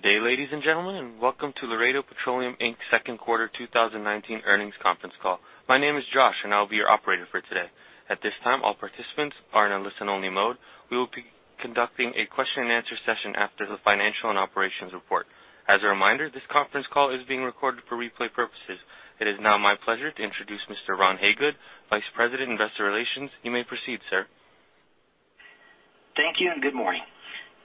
Good day, ladies and gentlemen, and welcome to Laredo Petroleum, Inc.'s second quarter 2019 earnings conference call. My name is Josh, and I will be your operator for today. At this time, all participants are in a listen-only mode. We will be conducting a question-and-answer session after the financial and operations report. As a reminder, this conference call is being recorded for replay purposes. It is now my pleasure to introduce Mr. Ron Hagood, Vice President, Investor Relations. You may proceed, sir. Thank you, and good morning.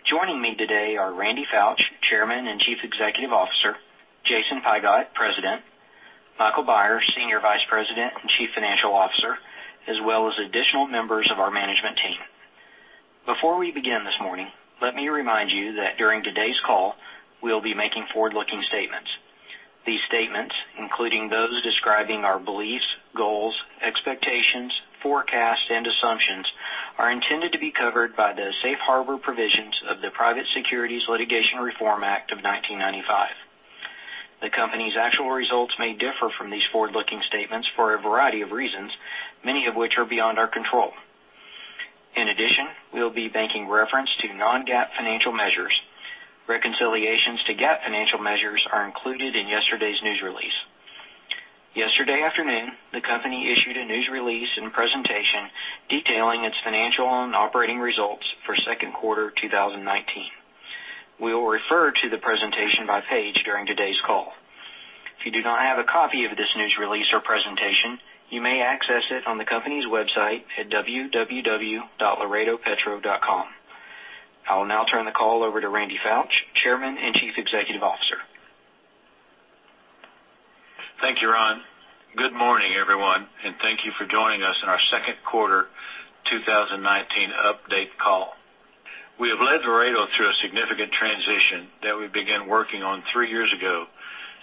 Joining me today are Randy Foutch, Chairman and Chief Executive Officer; Jason Pigott, President; Michael Beyer, Senior Vice President and Chief Financial Officer, as well as additional members of our management team. Before we begin this morning, let me remind you that during today's call, we'll be making forward-looking statements. These statements, including those describing our beliefs, goals, expectations, forecasts, and assumptions, are intended to be covered by the safe harbor provisions of the Private Securities Litigation Reform Act of 1995. The company's actual results may differ from these forward-looking statements for a variety of reasons, many of which are beyond our control. In addition, we'll be making reference to non-GAAP financial measures. Reconciliations to GAAP financial measures are included in yesterday's news release. Yesterday afternoon, the company issued a news release and presentation detailing its financial and operating results for second quarter 2019. We will refer to the presentation by page during today's call. If you do not have a copy of this news release or presentation, you may access it on the company's website at www.laredopetro.com. I will now turn the call over to Randy Foutch, Chairman and Chief Executive Officer. Thank you, Ron. Good morning, everyone, and thank you for joining us in our second quarter 2019 update call. We have led Laredo through a significant transition that we began working on three years ago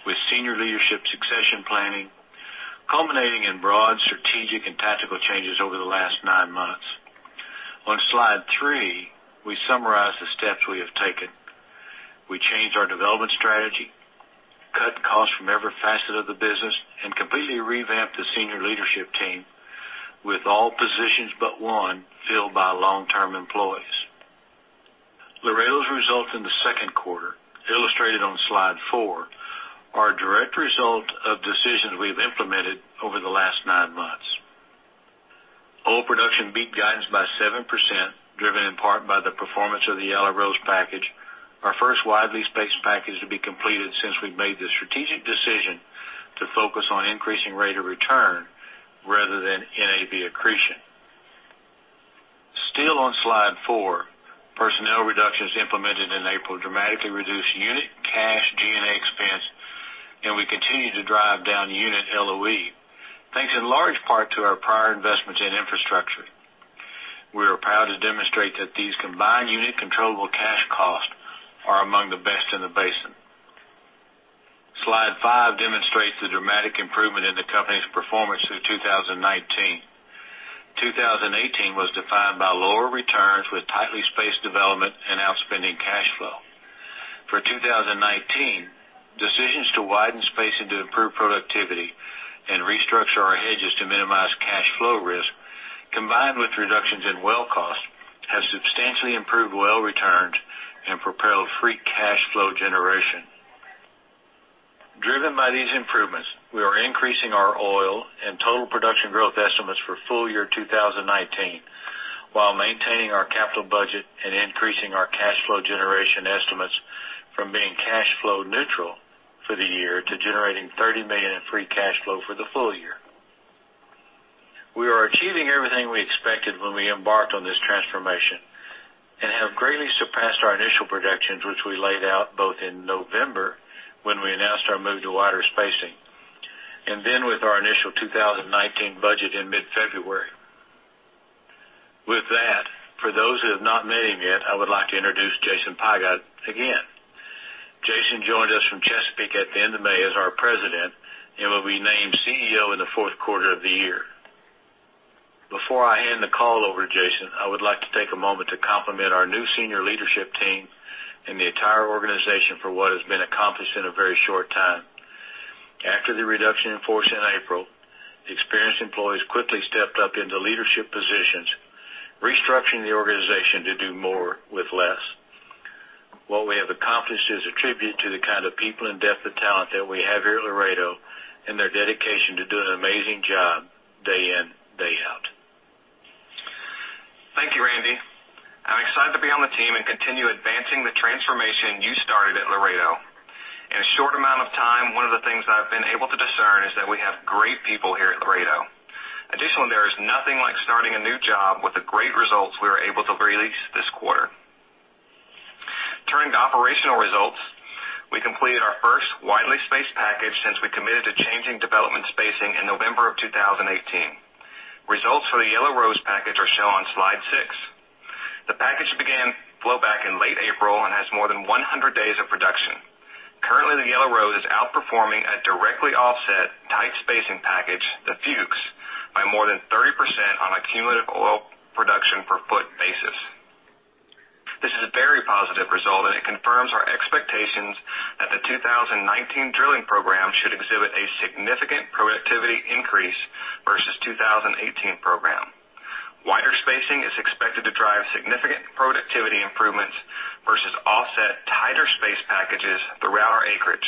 with senior leadership succession planning, culminating in broad strategic and tactical changes over the last nine months. On slide three, we summarize the steps we have taken. We changed our development strategy, cut costs from every facet of the business, and completely revamped the senior leadership team, with all positions but one filled by long-term employees. Laredo's results in the second quarter, illustrated on slide four, are a direct result of decisions we've implemented over the last nine months. Oil production beat guidance by 7%, driven in part by the performance of the Yellow Rose package, our first widely spaced package to be completed since we've made the strategic decision to focus on increasing rate of return rather than NAV accretion. Still on slide four, personnel reductions implemented in April dramatically reduced unit cash G&A expense. We continue to drive down unit LOE, thanks in large part to our prior investments in infrastructure. We are proud to demonstrate that these combined unit controllable cash costs are among the best in the basin. Slide five demonstrates the dramatic improvement in the company's performance through 2019. 2018 was defined by lower returns with tightly spaced development and outspending cash flow. For 2019, decisions to widen spacing to improve productivity and restructure our hedges to minimize cash flow risk, combined with reductions in well costs, has substantially improved well returns and propelled free cash flow generation. Driven by these improvements, we are increasing our oil and total production growth estimates for full year 2019, while maintaining our capital budget and increasing our cash flow generation estimates from being cash flow neutral for the year to generating $30 million in free cash flow for the full year. We are achieving everything we expected when we embarked on this transformation and have greatly surpassed our initial projections, which we laid out both in November, when we announced our move to wider spacing, and then with our initial 2019 budget in mid-February. With that, for those who have not met him yet, I would like to introduce Jason Pigott again. Jason joined us from Chesapeake at the end of May as our president and will be named CEO in the fourth quarter of the year. Before I hand the call over to Jason, I would like to take a moment to compliment our new senior leadership team and the entire organization for what has been accomplished in a very short time. After the reduction in force in April, experienced employees quickly stepped up into leadership positions, restructuring the organization to do more with less. What we have accomplished is a tribute to the kind of people and depth of talent that we have here at Laredo and their dedication to doing an amazing job day in, day out. Thank you, Randy. I'm excited to be on the team and continue advancing the transformation you started at Laredo. In a short amount of time, one of the things that I've been able to discern is that we have great people here at Laredo. Additionally, there is nothing like starting a new job with the great results we were able to release this quarter. Turning to operational results, we completed our first widely spaced package since we committed to changing development spacing in November of 2018. Results for the Yellow Rose package are shown on slide six. The package began flow back in late April and has more than 100 days of production. Currently, the Yellow Rose is outperforming a directly offset tight spacing package, the Fuchs, by more than 30% on a cumulative oil production per foot basis. This is a very positive result, and it confirms our expectations. The 2019 drilling program should exhibit a significant productivity increase versus 2018 program. Wider spacing is expected to drive significant productivity improvements versus offset tighter space packages throughout our acreage.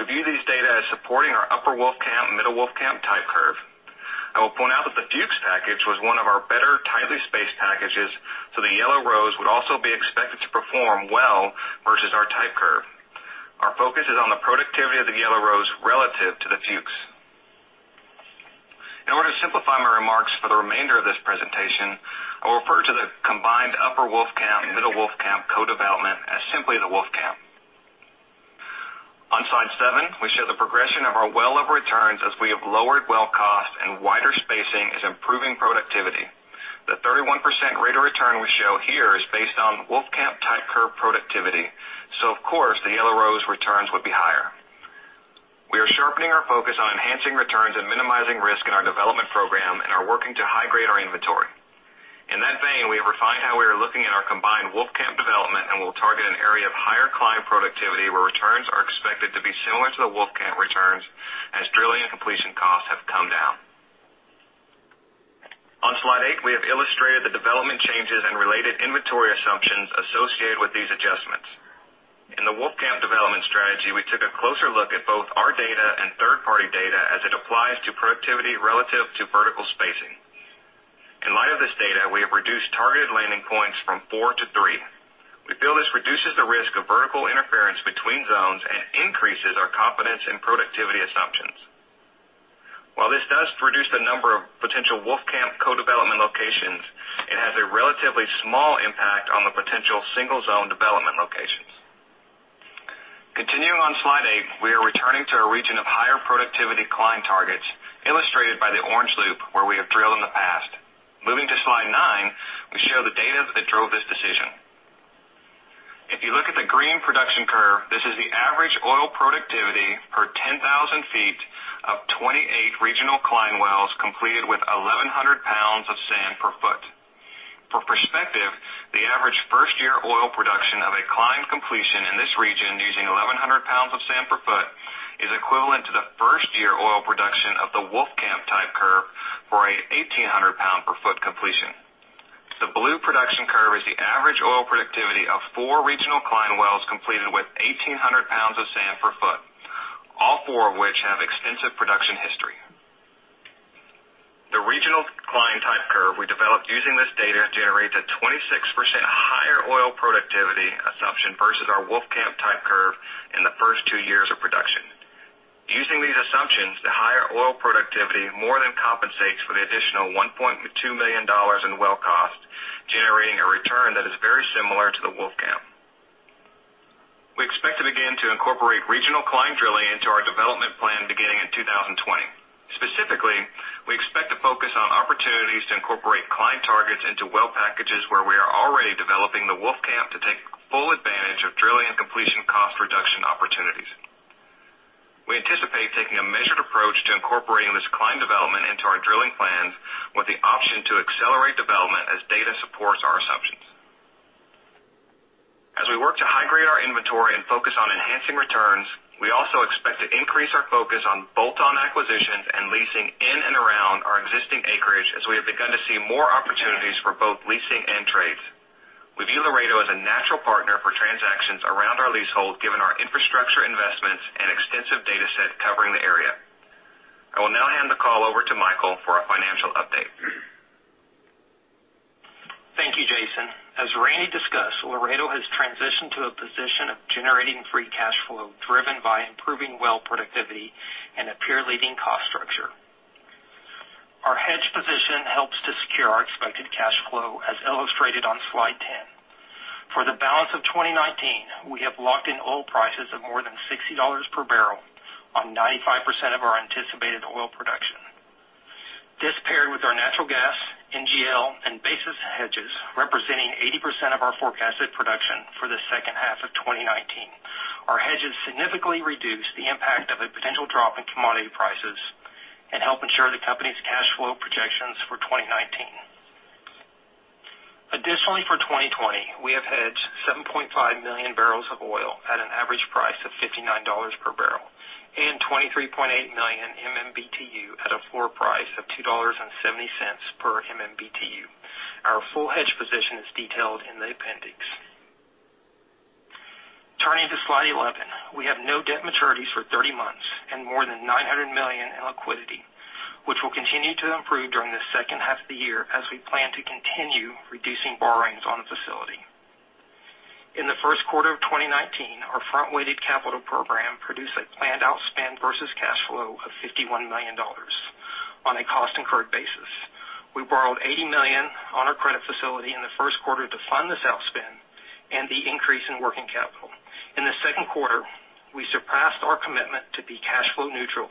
We view these data as supporting our Upper Wolfcamp/Middle Wolfcamp type curve. I will point out that the Fuchs package was one of our better tightly spaced packages, so the Yellow Rose would also be expected to perform well versus our type curve. Our focus is on the productivity of the Yellow Rose relative to the Fuchs. In order to simplify my remarks for the remainder of this presentation, I will refer to the combined Upper Wolfcamp/Middle Wolfcamp co-development as simply the Wolfcamp. On slide seven, we show the progression of our well level returns as we have lowered well cost and wider spacing is improving productivity. The 31% rate of return we show here is based on Wolfcamp type curve productivity. Of course, the Yellow Rose returns would be higher. We are sharpening our focus on enhancing returns and minimizing risk in our development program and are working to high-grade our inventory. In that vein, we have refined how we are looking at our combined Wolfcamp development and will target an area of higher Cline productivity where returns are expected to be similar to the Wolfcamp returns as drilling and completion costs have come down. On slide eight, we have illustrated the development changes and related inventory assumptions associated with these adjustments. In the Wolfcamp development strategy, we took a closer look at both our data and third-party data as it applies to productivity relative to vertical spacing. In light of this data, we have reduced targeted landing points from four to three. We feel this reduces the risk of vertical interference between zones and increases our confidence in productivity assumptions. While this does reduce the number of potential Wolfcamp co-development locations, it has a relatively small impact on the potential single-zone development locations. Continuing on slide eight, we are returning to a region of higher productivity decline targets, illustrated by the orange loop where we have drilled in the past. Moving to slide nine, we show the data that drove this decision. If you look at the green production curve, this is the average oil productivity per 10,000 ft of 28 regional Cline wells completed with 1,100 pounds of sand per ft. For perspective, the average first-year oil production of a Cline completion in this region using 1,100 pounds of sand per ft is equivalent to the first-year oil production of the Wolfcamp type curve for an 1,800 pound per ft completion. The blue production curve is the average oil productivity of four regional Cline wells completed with 1,800 pounds of sand per ft, all four of which have extensive production history. The regional Cline type curve we developed using this data generates a 26% higher oil productivity assumption versus our Wolfcamp type curve in the first two years of production. Using these assumptions, the higher oil productivity more than compensates for the additional $1.2 million in well cost, generating a return that is very similar to the Wolfcamp. We expect to begin to incorporate regional Cline drilling into our development plan beginning in 2020. Specifically, we expect to focus on opportunities to incorporate Cline targets into well packages where we are already developing the Wolfcamp to take full advantage of drilling and completion cost reduction opportunities. We anticipate taking a measured approach to incorporating this Cline development into our drilling plans with the option to accelerate development as data supports our assumptions. As we work to high-grade our inventory and focus on enhancing returns, we also expect to increase our focus on bolt-on acquisitions and leasing in and around our existing acreage, as we have begun to see more opportunities for both leasing and trades. We view Laredo as a natural partner for transactions around our leasehold, given our infrastructure investments and extensive data set covering the area. I will now hand the call over to Michael for a financial update. Thank you, Jason. As Randy discussed, Laredo has transitioned to a position of generating free cash flow driven by improving well productivity and a peer-leading cost structure. Our hedge position helps to secure our expected cash flow, as illustrated on slide 10. For the balance of 2019, we have locked in oil prices of more than $60 per bbl on 95% of our anticipated oil production. This paired with our natural gas, NGL, and basis hedges representing 80% of our forecasted production for the second half of 2019. Our hedges significantly reduce the impact of a potential drop in commodity prices and help ensure the company's cash flow projections for 2019. Additionally, for 2020, we have hedged 7.5 million barrels of oil at an average price of $59 per bbl and 23.8 million MMBtu at a floor price of $2.70 per MMBtu. Our full hedge position is detailed in the appendix. Turning to slide 11. We have no debt maturities for 30 months and more than $900 million in liquidity, which will continue to improve during the second half of the year as we plan to continue reducing borrowings on the facility. In the first quarter of 2019, our front-weighted capital program produced a planned outspend versus cash flow of $51 million on a cost incurred basis. We borrowed $80 million on our credit facility in the first quarter to fund this outspend and the increase in working capital. In the second quarter, we surpassed our commitment to be cash flow neutral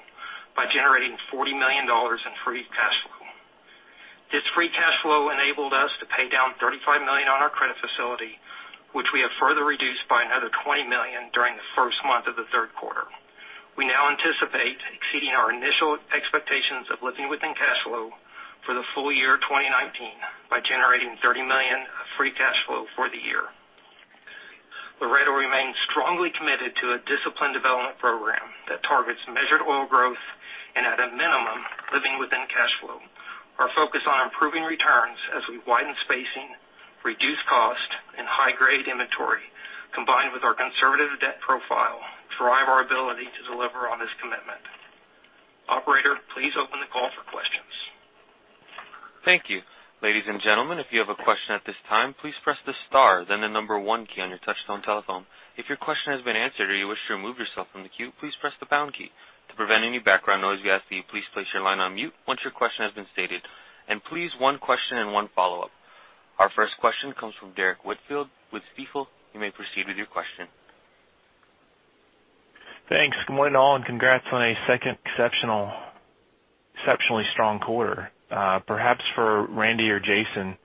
by generating $40 million in free cash flow. This free cash flow enabled us to pay down $35 million on our credit facility, which we have further reduced by another $20 million during the first month We now anticipate exceeding our initial expectations of living within cash flow for the full year 2019 by generating $30 million of free cash flow for the year. Laredo remains strongly committed to a disciplined development program that targets measured oil growth and, at a minimum, living within cash flow. Our focus on improving returns as we widen spacing, reduce cost, and high-grade inventory, combined with our conservative debt profile, drive our ability to deliver on this commitment. Operator, please open the call for questions. Thank you. Ladies and gentlemen, if you have a question at this time, please press the star, then the number 1 key on your touchtone telephone. If your question has been answered or you wish to remove yourself from the queue, please press the pound key. To prevent any background noise, we ask that you please place your line on mute once your question has been stated. Please, one question and one follow-up. Our first question comes from Derrick Whitfield with Stifel. You may proceed with your question. Thanks. Good morning, all, and congrats on a second exceptionally strong quarter. Perhaps for Randy or Jason,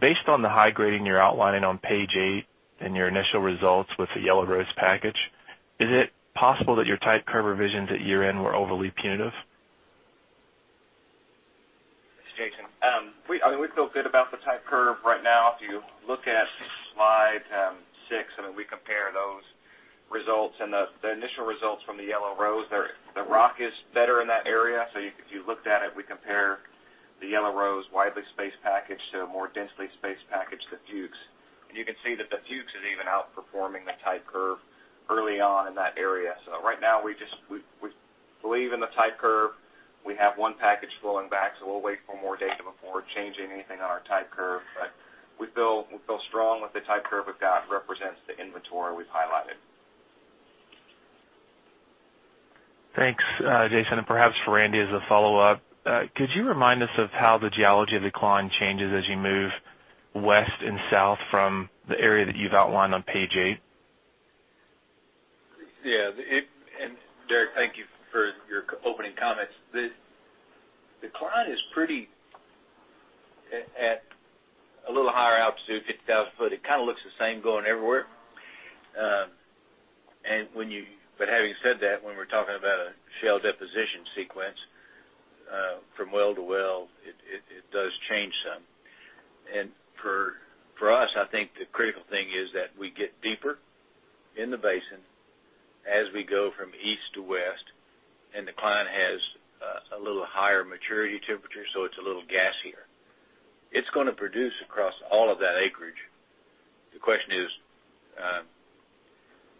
based on the high grading you're outlining on page eight and your initial results with the Yellow Rose package, is it possible that your type curve revisions at year-end were overly punitive? It's Jason. We feel good about the type curve right now. If you look at slide six, we compare those results and the initial results from the Yellow Rose. The rock is better in that area. If you looked at it, we compare the Yellow Rose widely spaced package to a more densely spaced package, the Fuchs. You can see that the Fuchs is even outperforming the type curve early on in that area. Right now, we believe in the type curve. We have one package flowing back, so we'll wait for more data before changing anything on our type curve. We feel strong with the type curve we've got. It represents the inventory we've highlighted. Thanks, Jason, and perhaps for Randy as a follow-up. Could you remind us of how the geology of the Cline changes as you move west and south from the area that you've outlined on page eight? Derrick, thank you for your opening comments. The Cline is pretty at a little higher altitude, 50,000 ft. It looks the same going everywhere. Having said that, when we're talking about a shale deposition sequence from well to well, it does change some. For us, I think the critical thing is that we get deeper in the basin as we go from east to west, and the Cline has a little higher maturity temperature, so it's a little gassier. It's going to produce across all of that acreage. The question is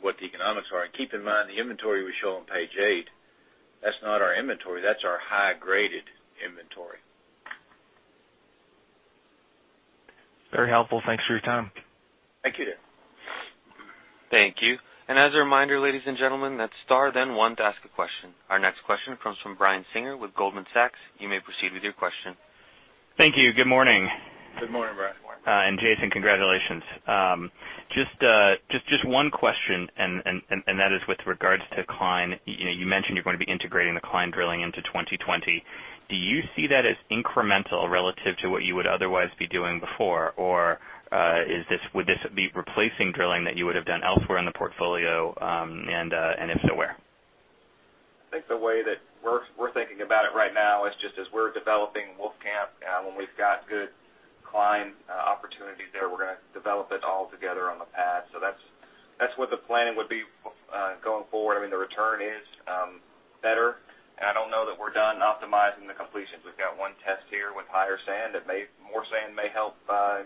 what the economics are. Keep in mind, the inventory we show on page eight, that's not our inventory. That's our high-graded inventory. Very helpful. Thanks for your time. Thank you, Derrick. Thank you. As a reminder, ladies and gentlemen, that's star then one to ask a question. Our next question comes from Brian Singer with Goldman Sachs. You may proceed with your question. Thank you. Good morning. Good morning, Brian. Jason, congratulations. Just one question, and that is with regards to Cline. You mentioned you're going to be integrating the Cline drilling into 2020. Do you see that as incremental relative to what you would otherwise be doing before? Or would this be replacing drilling that you would have done elsewhere in the portfolio? If so, where? I think the way that we're thinking about it right now is just as we're developing Wolfcamp, when we've got good Cline opportunity there, we're going to develop it all together on the pad. That's what the plan would be going forward. The return is better, and I don't know that we're done optimizing the completions. We've got one test here with higher sand. More sand may help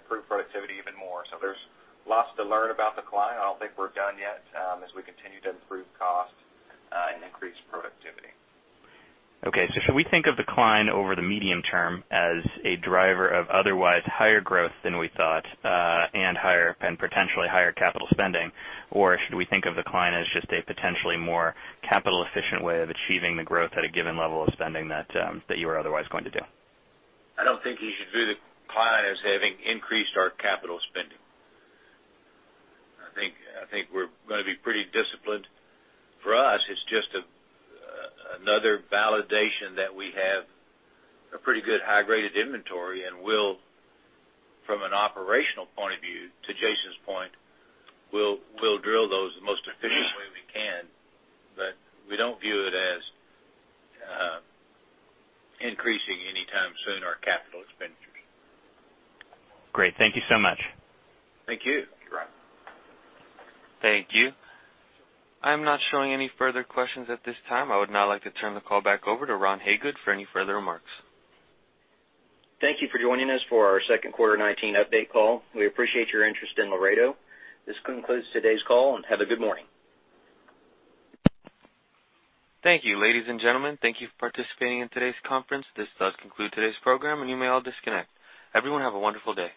improve productivity even more. There's lots to learn about the Cline. I don't think we're done yet as we continue to improve costs and increase productivity. Okay, should we think of the Cline over the medium term as a driver of otherwise higher growth than we thought and potentially higher capital spending? Or should we think of the Cline as just a potentially more capital-efficient way of achieving the growth at a given level of spending that you were otherwise going to do? I don't think you should view the Cline as having increased our capital spending. I think we're going to be pretty disciplined. For us, it's just another validation that we have a pretty good high-graded inventory, and from an operational point of view, to Jason's point, we'll drill those the most efficient way we can. We don't view it as increasing anytime soon our capital expenditures. Great. Thank you so much. Thank you. Thank you, Brian. Thank you. I'm not showing any further questions at this time. I would now like to turn the call back over to Ron Hagood for any further remarks. Thank you for joining us for our second quarter 2019 update call. We appreciate your interest in Laredo. This concludes today's call, and have a good morning. Thank you. Ladies and gentlemen, thank you for participating in today's conference. This does conclude today's program, and you may all disconnect. Everyone, have a wonderful day.